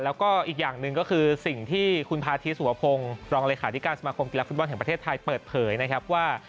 แล้วก็อีกอย่างหนึ่งก็คือสิ่งที่คุณพาธิสุวพงศ์รองเลขาธิการสมาคมกีฬาฟุตบอลแห่งประเทศไทยเปิดเผยนะครับว่า